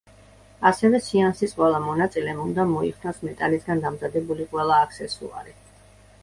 ასევე სეანსის ყველა მონაწილემ უნდა მოიხსნას მეტალისგან დამზადებული ყველა აქსესუარი.